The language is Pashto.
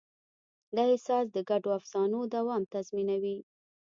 دا احساس د ګډو افسانو دوام تضمینوي.